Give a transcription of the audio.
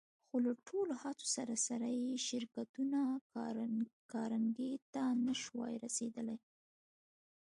خو له ټولو هڅو سره سره يې شرکتونه کارنګي ته نه شوای رسېدای.